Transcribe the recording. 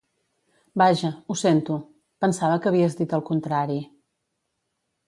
Vaja, ho sento. Pensava que havies dit el contrari.